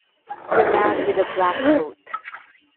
The man wi' the black coat.